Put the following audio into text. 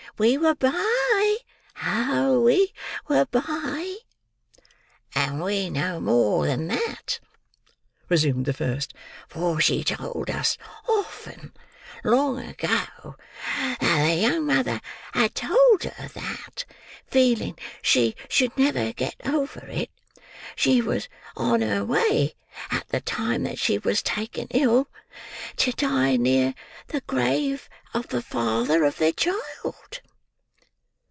We were by. Oh! we were by." "And we know more than that," resumed the first, "for she told us often, long ago, that the young mother had told her that, feeling she should never get over it, she was on her way, at the time that she was taken ill, to die near the grave of the father of the child."